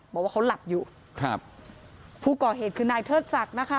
บอกว่าเขาหลับอยู่ครับผู้ก่อเหตุคือนายเทิดศักดิ์นะคะ